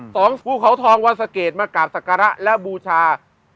ภูเขาทองวันสะเกดมากราบศักระและบูชา